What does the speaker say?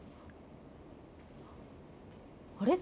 あれ？